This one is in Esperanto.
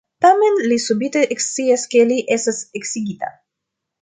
Tamen, li subite ekscias, ke li estas eksigita.